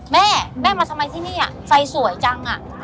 แม่มาทำไมที่นี่อะไฟสวยจังอะ